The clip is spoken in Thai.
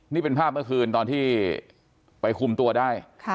นี่เป็นภาพเมื่อคืนตอนที่ไปคุมตัวได้